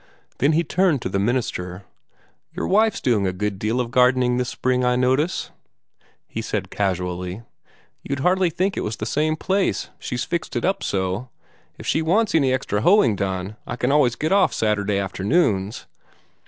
Then he turned to the minister. "Your wife's doing a good deal of gardening this spring, I notice," he said casually. "You'd hardly think it was the same place, she's fixed it up so. If she wants any extra hoeing done, I can always get off Saturday afternoons."